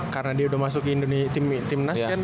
karena dia udah masuk ke tim nas kan